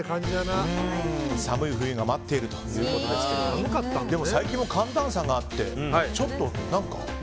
寒い冬が待っているということですけれどもでも最近は寒暖差があってちょっと何か。